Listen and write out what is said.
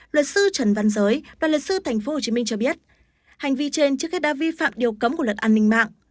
luật sư trần văn giới đoàn luật sư tp hcm cho biết hành vi trên trước hết đã vi phạm điều cấm của luật an ninh mạng